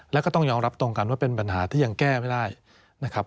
แล้วก็ต้องยอมรับตรงกันว่าเป็นปัญหาที่ยังแก้ไม่ได้นะครับ